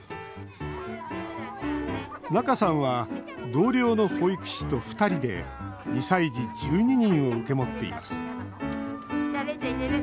仲さんは同僚の保育士と２人で２歳児１２人を受け持っています。